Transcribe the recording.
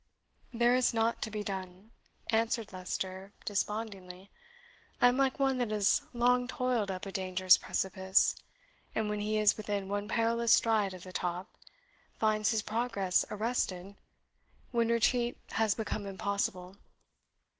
"There is nought to be done," answered Leicester, despondingly. "I am like one that has long toiled up a dangerous precipice, and when he is within one perilous stride of the top, finds his progress arrested when retreat has become impossible.